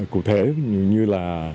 cụ thể như là